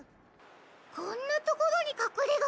こんなところにかくれがが。